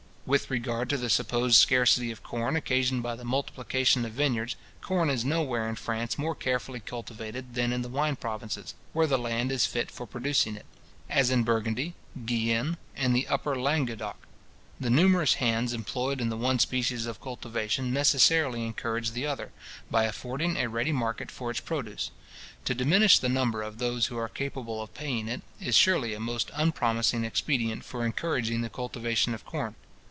With regard to the supposed scarcity of corn occasioned by the multiplication of vineyards, corn is nowhere in France more carefully cultivated than in the wine provinces, where the land is fit for producing it: as in Burgundy, Guienne, and the Upper Languedoc. The numerous hands employed in the one species of cultivation necessarily encourage the other, by affording a ready market for its produce. To diminish the number of those who are capable of paying it, is surely a most unpromising expedient for encouraging the cultivation of corn.